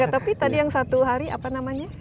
tapi tadi yang satu hari apa namanya